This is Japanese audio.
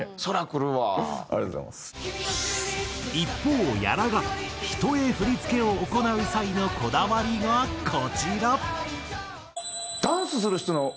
一方屋良が人へ振付を行う際のこだわりがこちら。